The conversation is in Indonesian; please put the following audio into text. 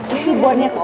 isi bonnya ke oma oke